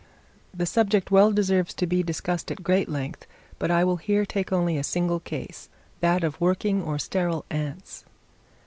The subject well deserves to be discussed at great length, but I will here take only a single case, that of working or sterile ants.